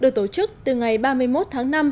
được tổ chức từ ngày ba mươi một tháng năm